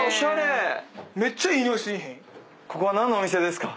ここは何のお店ですか？